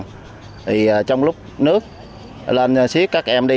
thì trong lúc nước lên xuyết các em đi